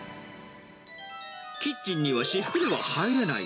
キッチンには私服では入れない。